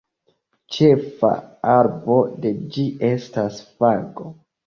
Ĉefa arbo de ĝi estas fago.